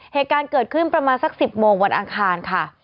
เหตุการณ์เกิดขึ้นประมาณสัก๑๐โมงวันอังคารค่ะ